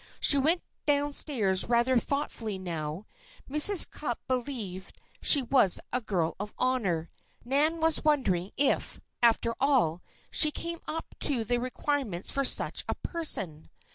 She went down stairs rather thoughtfully now. Mrs. Cupp believed she was a girl of honor. Nan was wondering if, after all, she came up to the requirements for such a person?